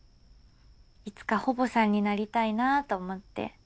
いつか保母さんになりたいなと思って。